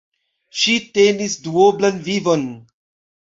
Ŝi tenis duoblan vivon.